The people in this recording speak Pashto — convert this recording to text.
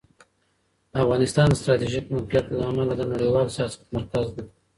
افغانستان د ستراتیژیک موقعیت له امله د نړیوال سیاست مرکز دی.